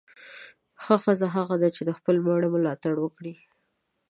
ښه ښځه هغه ده چې د خپل میړه ملاتړ وکړي.